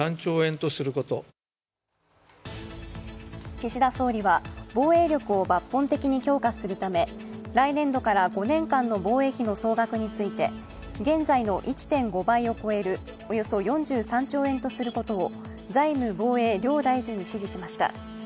岸田総理は防衛力を抜本的に強化するため、来年度から５年間の防衛費の総額について現在の１．５倍を超えるおよそ４３兆円とすることを財務・防衛両大臣に指示しました。